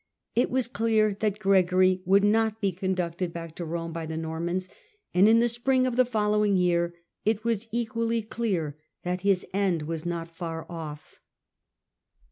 It was clear that Gregory would not be conducted back to Rome by the Normans, and in the spring of the following year it was equally clear that his end was not far off.